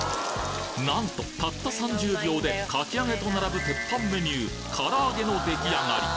なんとたった３０秒でかき揚げと並ぶ鉄板メニューから揚げのできあがり！